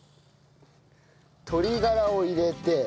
鶏がらを入れて。